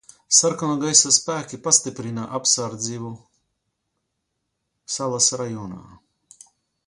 Sarkano gaisa spēki pastiprina apsardzību salas rajonā.